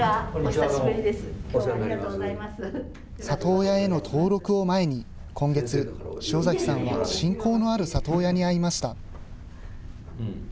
里親への登録を前に、今月、塩崎さんは親交のある里親に会いました。